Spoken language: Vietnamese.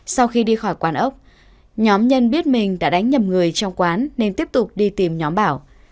sau khi đi khỏi quán ốc nhóm nhân biết mình đã đánh nhầm người trong quán nên tiếp tục đi tìm nhóm bảo